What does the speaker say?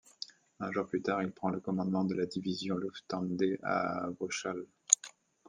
Un jour plus tard, il prend le commandement de la division Luftlande à Bruchsal.